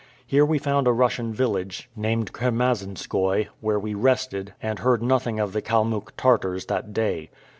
Here we found a Russian village, named Kermazinskoy, where we rested, and heard nothing of the Kalmuck Tartars that day.